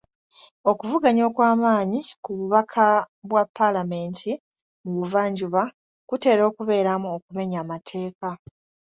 Okuvuganya okw'amaanyi ku bubaka bwa paalamenti mu buvanjuba kutera okubeeramu okumenya amateeka.